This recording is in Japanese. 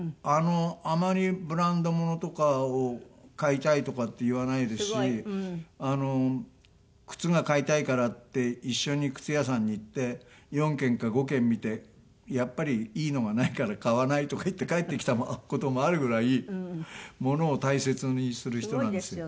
あまりブランドものとかを買いたいとかって言わないですし靴が買いたいからって一緒に靴屋さんに行って４軒か５軒見て「やっぱりいいのがないから買わない」とか言って帰ってきた事もあるぐらい物を大切にする人なんですよ。